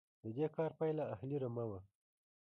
د دې کار پایله اهلي رمه وه.